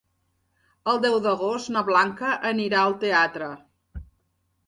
El deu d'agost na Blanca anirà al teatre.